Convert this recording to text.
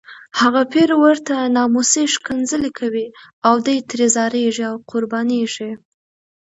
هغه پیر ورته ناموسي ښکنځلې کوي او دی ترې ځاریږي او قربانیږي.